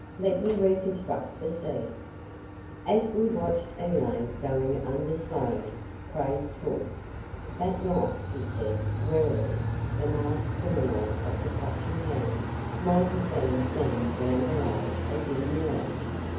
Let me reconstruct the scene." As we watched Elaine going under slowly, Craig talked. "That night," he said, "warily, the masked criminal of the Clutching Hand might have been seen down below us in the alley.